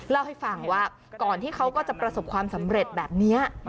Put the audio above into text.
เล่าให้ฟังว่าก่อนที่เขาก็จะประสบความสำเร็จแบบนี้